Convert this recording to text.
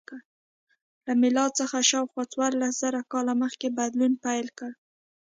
له میلاد څخه شاوخوا څوارلس زره کاله مخکې بدلون پیل کړ.